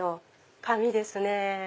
紙ですね。